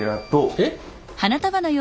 えっ？